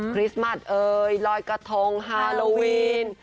คริสต์มัสเอ่ยลอยกระทงฮาโลวีน